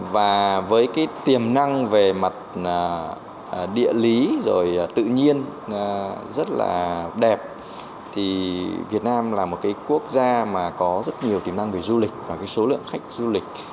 và với cái tiềm năng về mặt địa lý rồi tự nhiên rất là đẹp thì việt nam là một cái quốc gia mà có rất nhiều tiềm năng về du lịch và cái số lượng khách du lịch